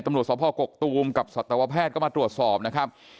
ตำรวจสภกกตูมกับสัตวแพทย์ก็มาตรวจสอบนะครับ